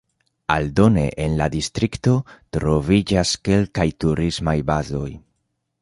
Aldone en la distrikto troviĝas kelkaj turismaj bazoj.